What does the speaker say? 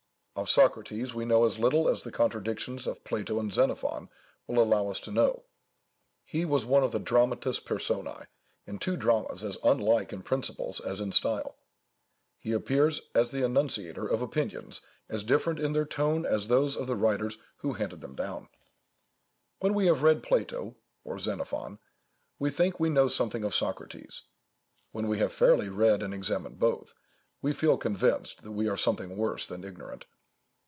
Of Socrates we know as little as the contradictions of Plato and Xenophon will allow us to know. He was one of the dramatis personæ in two dramas as unlike in principles as in style. He appears as the enunciator of opinions as different in their tone as those of the writers who have handed them down. When we have read Plato or Xenophon, we think we know something of Socrates; when we have fairly read and examined both, we feel convinced that we are something worse than ignorant.